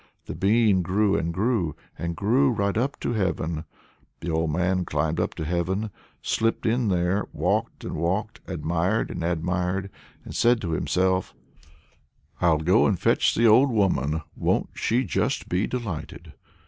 The bean grew and grew, and grew right up to heaven. The old man climbed up to heaven, slipped in there, walked and walked, admired and admired, and said to himself, 'I'll go and fetch the old woman; won't she just be delighted!'"